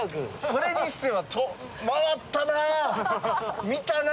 それにしては回ったな！